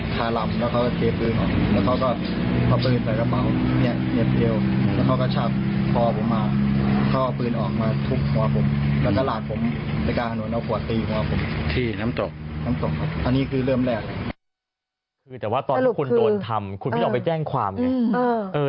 คุณโดนทำคุณไปออกไปแจ้งความไง